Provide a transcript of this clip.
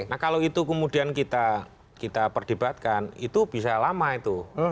nah kalau itu kemudian kita perdebatkan itu bisa lama itu